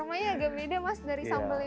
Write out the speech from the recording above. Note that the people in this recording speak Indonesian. namanya agak beda mas dari sambalnya